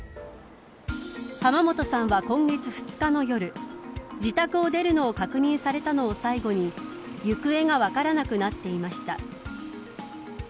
浜本さんは今月２日の夜自宅を出るのを確認されたのを最後に行方が分からなくなっていました。